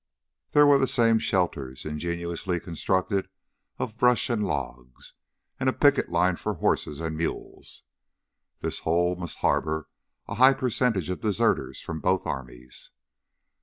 There were the same shelters ingeniously constructed of brush and logs and a picket line for horses and mules. This hole must harbor a high percentage of deserters from both armies.